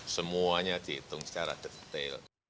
semuanya dihitung secara detail